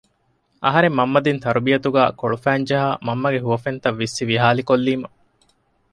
އަހަރެން މަންމަ ދިން ތަރުބިއްޔަތުގައި ކޮޅުފައިންޖަހާ މަންމަގެ ހުވަފެންތައް ވިއްސި ވިހާލި ކޮއްލީމަ